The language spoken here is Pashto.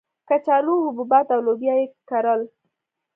کچالو، حبوبات او لوبیا یې کرل.